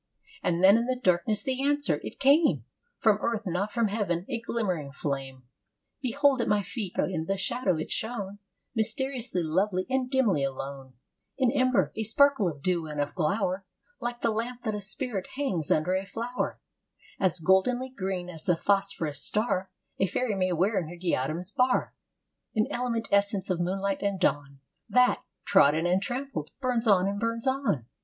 And then in the darkness the answer! It came From Earth, not from Heaven a glimmering flame, Behold; at my feet! In the shadow it shone Mysteriously lovely and dimly alone: An ember; a sparkle of dew and of glower; Like the lamp that a spirit hangs under a flower: As goldenly green as the phosphorous star A fairy may wear in her diadem's bar: An element essence of moonlight and dawn That, trodden and trampled, burns on and burns on.